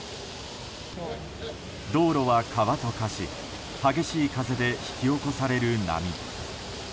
道路は川と化し激しい風で引き起こされる波。